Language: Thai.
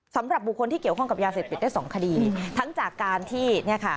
สำหรับบุคคลที่เกี่ยวข้องกับยาเสพติดได้สองคดีทั้งจากการที่เนี่ยค่ะ